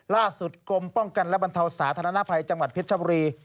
ล่าสุดกรมป้องกันและบรรเทาสาธนภัยจังหวัดเพชรบุรี